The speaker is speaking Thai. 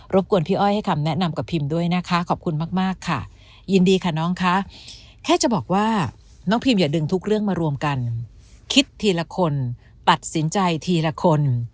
กวนพี่อ้อยให้คำแนะนำกับพิมด้วยนะคะขอบคุณมากค่ะยินดีค่ะน้องคะแค่จะบอกว่าน้องพิมอย่าดึงทุกเรื่องมารวมกันคิดทีละคนตัดสินใจทีละคน